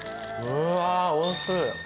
うわー、おいしい。